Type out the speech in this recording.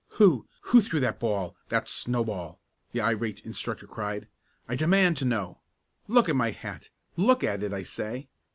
"Who who threw that ball that snowball?" the irate instructor cried. "I demand to know. Look at my hat! Look at it, I say!"